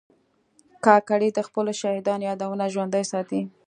کاکړي د خپلو شهیدانو یادونه ژوندي ساتي.